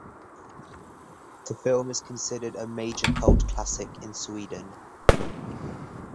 The film is considered a major cult classic in Sweden.